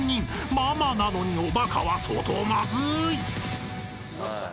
［ママなのにおバカは相当まずい］